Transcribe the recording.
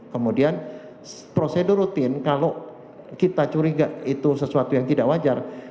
kemudian prosedur rutin kalau kita curiga itu sesuatu yang tidak benar itu bisa diperiksa